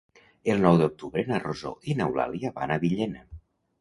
El nou d'octubre na Rosó i n'Eulàlia van a Villena.